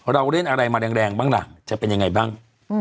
เราเล่นอะไรมาแรงบ้างล่ะจะเป็นยังไงบ้าง